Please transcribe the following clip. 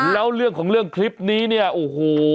แล้วเรื่องของเรื่องคลิปนี้เนี่ยโอ้โห